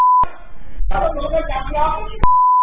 เท้าไหร่ัพ่อแว้นเก้ผมเข้ามาแล้วล่ะ